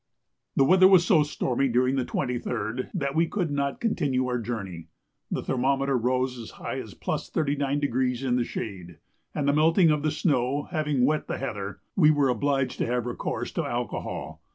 The weather was so stormy during the 23rd that we could not continue our journey. The thermometer rose as high as +39° in the shade, and the melting of the snow having wet the heather, we were obliged to have recourse to alcohol.